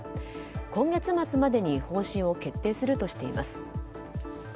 今月末までに方針を決定するとしています。